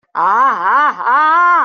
Ah, ah, ah!